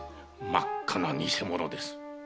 真っ赤な偽物です。